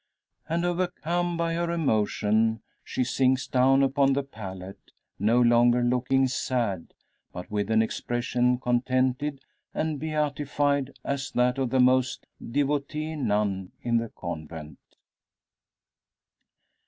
And overcome by her emotion she sinks down upon the pallet; no longer looking sad, but with an expression contented, and beatified as that of the most devotee nun in the convent.